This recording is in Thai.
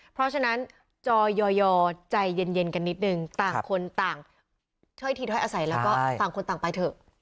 เพราะฉะนั้นจอยอใจเย็นกันนิดนึงต่างคนต่างถ้อยทีถ้อยอาศัยแล้วก็ต่างคนต่างไปเถอะ